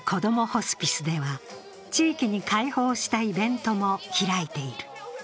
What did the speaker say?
ホスピスでは、地域に開放したイベントも開いている。